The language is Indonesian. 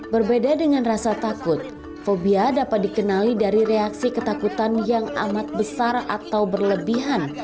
berbeda dengan rasa takut fobia dapat dikenali dari reaksi ketakutan yang amat besar atau berlebihan